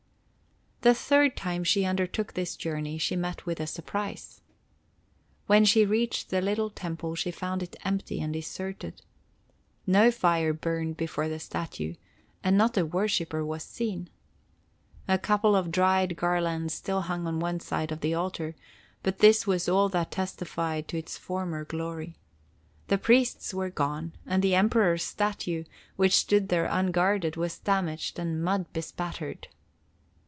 The third time she undertook this journey, she met with a surprise. When she reached the little temple, she found it empty and deserted. No fire burned before the statue, and not a worshiper was seen. A couple of dried garlands still hung on one side of the altar, but this was all that testified to its former glory. The priests were gone, and the Emperor's statue, which stood there unguarded, was damaged and mud bespattered.